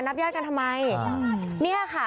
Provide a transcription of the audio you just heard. นับญาติกันทำไม